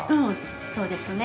そうですね。